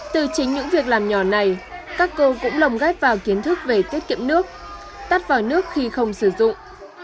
từ chính những việc làm nhỏ này các cô cũng lồng ghép vào kiến thức về tiết kiệm nước tắt vòi nước khi không sử dụng